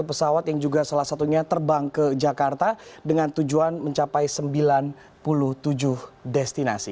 pesawat yang juga salah satunya terbang ke jakarta dengan tujuan mencapai sembilan puluh tujuh destinasi